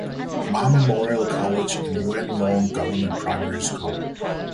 Ma Memorial College and Yuen Long Government Primary School.